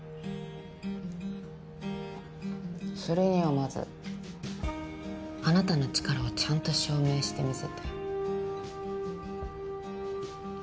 それにはまずあなたの力をちゃんと証明してみせて。